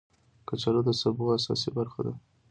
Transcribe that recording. کچالو د سبو اساسي برخه ده